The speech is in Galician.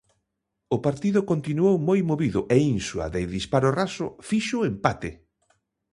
O partido continuou moi movido e Insua de disparo raso fixo o empate.